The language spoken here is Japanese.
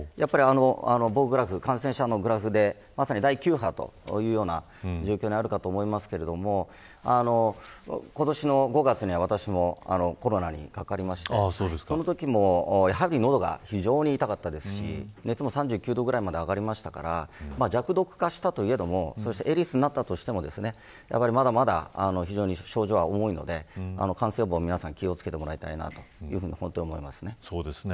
棒グラフ、感染者のグラフで第９波というような状況にあるかと思いますが今年の５月には私もコロナにかかりましてそのときもやはり喉が非常に痛かったですし熱も３９度ぐらいまで上がりましたから弱毒化したといえどもエリスになったとしてもまだまだ非常に症状は重いので感染予防に皆さん気を付けてもらいたいと思っています。